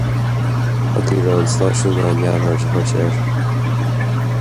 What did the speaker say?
Ach ní raibh an stáisiún in ann neamhaird a thabhairt air.